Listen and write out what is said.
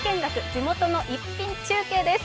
地元の一品中継です。